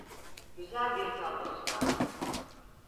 Güzel bir tablosu vardı…